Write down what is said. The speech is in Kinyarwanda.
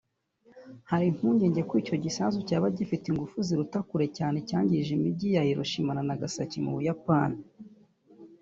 Hari impungenge ko icyo gisasu cyaba gifite ingufu ziruta kure icyangije imijyi ya Hiroshima na Nagasaki mu Buyapani